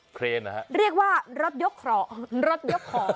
เครนนะครับเรียกว่ารถยกของ